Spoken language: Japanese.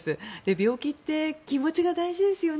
病気って気持ちが大事ですよね。